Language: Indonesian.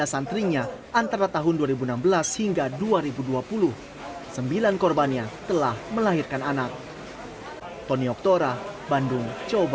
santrinya antara tahun dua ribu enam belas hingga dua ribu dua puluh sembilan korbannya telah melahirkan anak tony oktora bandung coba